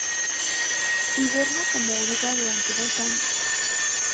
Hiberna como oruga durante dos años.